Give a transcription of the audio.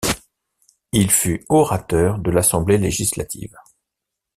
Il fut orateur de l'Assemblée législative.